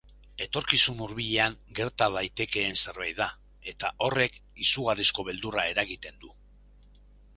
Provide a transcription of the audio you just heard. Etorkizun hurbilean gerta daitekeen zerbait da eta horrek izugarrizko beldurra eragiten du.